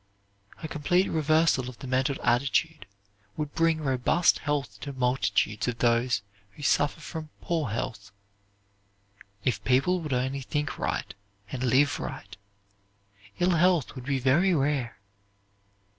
A complete reversal of the mental attitude would bring robust health to multitudes of those who suffer from "poor health." If people would only think right, and live right, ill health would be very rare.